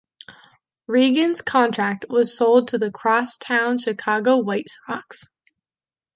Regan's contract was sold to the crosstown Chicago White Sox.